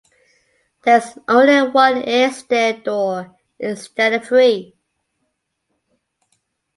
There is only one airstair door, instead of three.